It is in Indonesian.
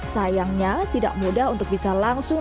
sayangnya tidak mudah untuk bisa langsung